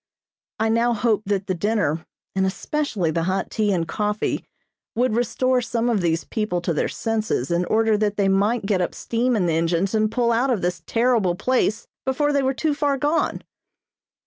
I now hoped that the dinner, and especially the hot tea and coffee would restore some of these people to their senses in order that they might get up steam in the engines and pull out of this terrible place before they were too far gone.